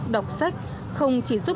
đọc sách không chỉ giúp